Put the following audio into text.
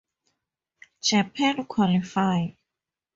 Japan qualify.